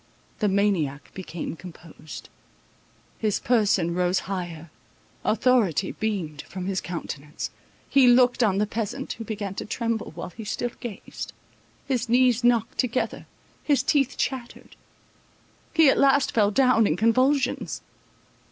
The maniac became composed; his person rose higher; authority beamed from his countenance. He looked on the peasant, who began to tremble, while he still gazed; his knees knocked together; his teeth chattered. He at last fell down in convulsions.